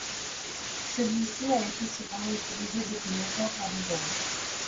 Celui-ci a été cependant utilisé depuis longtemps par des hommes.